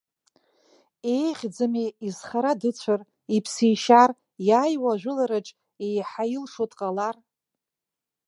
Еиӷьӡами изхара дыцәар, иԥсишьар, иааиуа ажәылараҿ еиҳа илшо дҟалар?